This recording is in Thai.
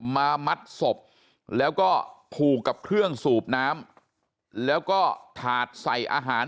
มามัดศพแล้วก็ผูกกับเครื่องสูบน้ำแล้วก็ถาดใส่อาหาร